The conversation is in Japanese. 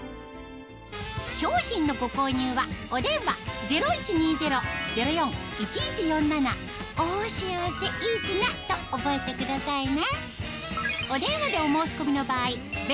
商品のご購入はお電話０１２０−０４−１１４７と覚えてくださいね